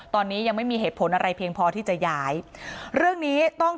ตอนนี้ยังไม่มีเหตุผลอะไรเพียงพอที่จะย้ายเรื่องนี้ต้อง